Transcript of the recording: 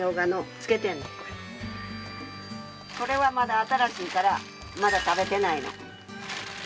これはまだ新しいからまだ食べてないの。